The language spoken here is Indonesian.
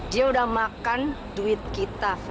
dia udah makan duit kita